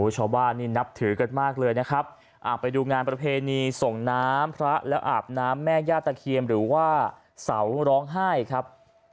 ชาวบ้านนี่นับถือกันมากเลยนะครับไปดูงานประเพณีส่งน้ำพระแล้วอาบน้ำแม่ย่าตะเคียนหรือว่าเสาร้องไห้ครับ